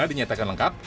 akan ke depannya apa